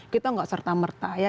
kita nggak serta merta ya